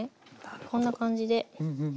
こんな感じで。